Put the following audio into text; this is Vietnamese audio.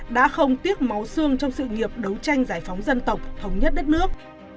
đã không tiếc máu xương trong sự nghiệp đấu tranh giải phóng dân tộc thống nhất đất nước